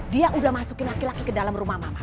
dia udah masukin laki laki ke dalam rumah mama